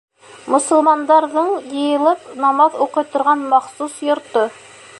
Мосолмандарҙың йыйылып намаҙ уҡый торған махсус йорто.